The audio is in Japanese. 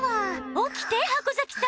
起きて箱崎さん！